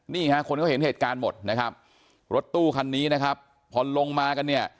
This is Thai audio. นี่ฮะคนเขาเห็นเหตุการณ์หมดนะครับรถตู้คันนี้นะครับพอลงมากันเนี่ย